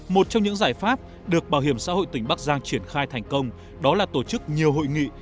một trong những giải pháp được bảo hiểm xã hội tỉnh bắc giang triển khai thành công đó là tổ chức nhiều hội nghị